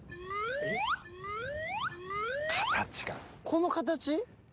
この形？